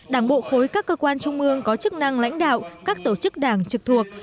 đảng bộ khối các cơ quan trung mương có chức năng lãnh đạo các tổ chức đảng trực thuộc